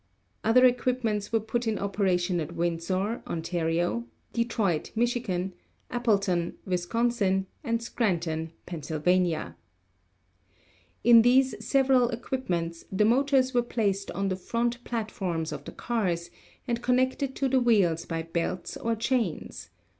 Other equipments were put in operation at Windsor, Ont. ; Detroit, Mich.; Appleton, Wis., and Scranton, Pa. In these several equipments the motors were placed on the front platforms of the cars and connected to the wheels by belts or chains.